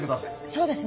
そうですね。